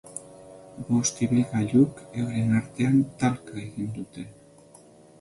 Bost ibilgailuk euren artean talka egin dute.